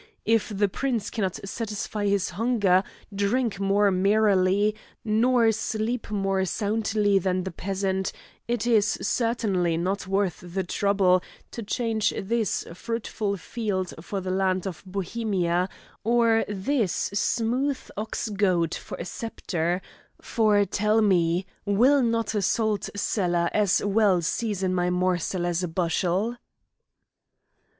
If the prince cannot satisfy his hunger, drink more merrily, nor sleep more soundly than the peasant, it is certainly not worth the trouble to change this fruitful field for the land of Bohemia, or this smooth ox goad for a sceptre; for tell me, will not a salt cellar as well season my morsel as a bushel?"